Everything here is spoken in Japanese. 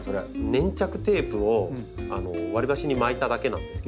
粘着テープを割り箸に巻いただけなんですけど。